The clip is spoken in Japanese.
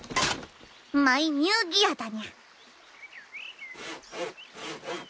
マイニューギアだにゃ。